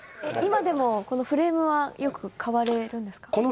今でもこのフレームはよく買われるんですか？